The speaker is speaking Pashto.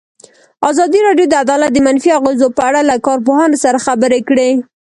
ازادي راډیو د عدالت د منفي اغېزو په اړه له کارپوهانو سره خبرې کړي.